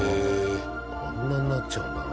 あんなになっちゃうんだな。